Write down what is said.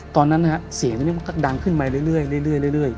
ตอนนั้นเสียงนี้มันก็ดังขึ้นมาเรื่อย